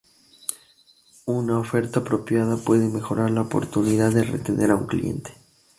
Una oferta apropiada puede mejorar la oportunidad de retener a un cliente.